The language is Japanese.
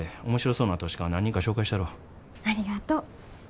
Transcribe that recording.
ありがとう。